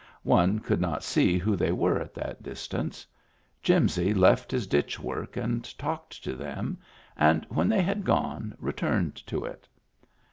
One could not see who they were at that distance. Jimsy left his ditch work and talked to them and when they had gone returned to it.